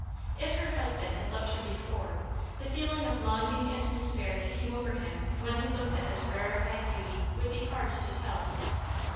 If her husband had loved her before, the feeling of longing and despair that came over him when he looked at this rarefied beauty would be hard to tell.